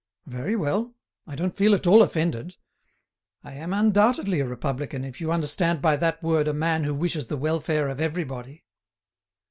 Very well! I don't feel at all offended. I am undoubtedly a Republican, if you understand by that word a man who wishes the welfare of everybody."